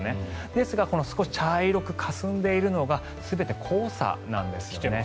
ですが少し茶色くかすんでいるのが全て黄砂なんですよね。